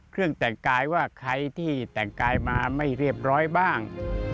เครื่องแต่งกายว่าใครที่แต่งกายมาไม่เรียบร้อยบ้าง